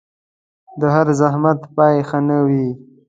د هر زحمت پايله ښه نه وي